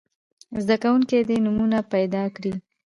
زده کوونکي دې نومونه پیداکړي.